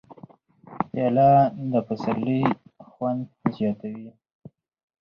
پیاله د پسرلي خوند زیاتوي.